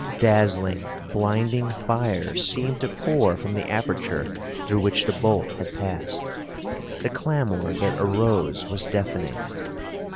Dazzling, blinding fire seemed to pour from the aperture through which the bolt had passed. The clamor that arose was deafening.